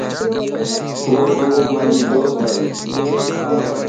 وو مانجي دوست ائي